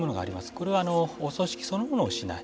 これはお葬式そのものをしない。